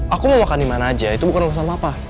aku mau makan dimana aja itu bukan urusan papa